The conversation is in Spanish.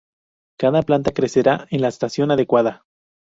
Cada planta crecerá en la estación adecuada.